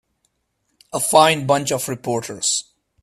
A fine bunch of reporters.